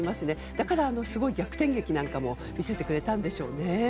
だからすごい逆転劇なんかも見せてくれたんでしょうね。